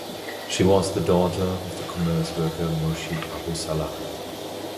She was the daughter of the commerce worker Murshid Abu Salah.